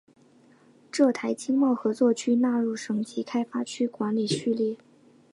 浙台经贸合作区纳入省级开发区管理序列。